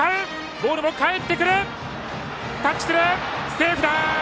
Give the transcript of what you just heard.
セーフだ！